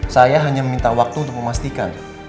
saya hanya meminta waktu untuk memastikan